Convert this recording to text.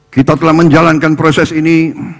kita telah menjalankan proses ini